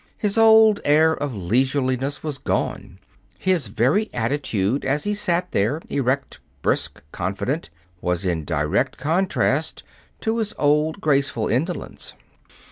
His old air of leisureliness was gone. His very attitude as he sat there, erect, brisk, confident, was in direct contrast to his old, graceful indolence.